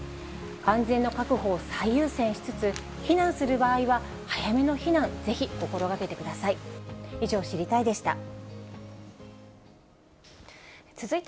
安全の確保を最優先しつつ、避難する場合は早めの避難、ぜひ心がけてください。